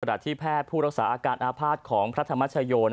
ที่แพทย์ผู้รักษาอาการอาภาษณ์ของพระธรรมชโย